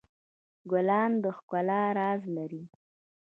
ګلان د ښکلا راز لري.